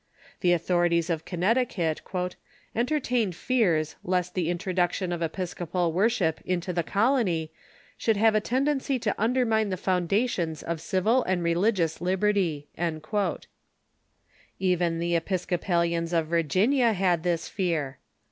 The authorities of Connecticut "entertained fears lest the intro duction of Episcopal worship into the colony should have a tendency to undermine the foundations of civil and religious libertj'." Even the Episcopalians of Virginia had this fear.